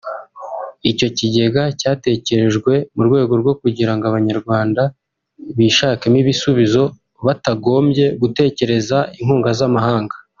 Icyo kigega cyatekerejwe mu rwego rwo kugira ngo Abanyarwanda bishakemo ibisubizo batagombye gutegereza inkunga z’amahanga